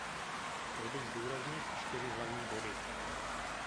Chtěl bych zdůraznit čtyři hlavní body.